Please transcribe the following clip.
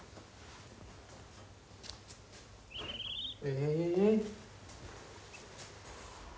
え？